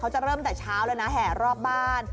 จะเริ่มแต่เช้าเลยนะแห่รอบบ้าน